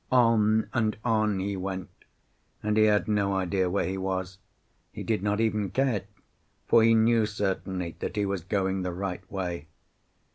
On and on he went, and he had no idea where he was. He did not even care, for he knew certainly that he was going the right way.